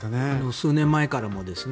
数年前からもですね。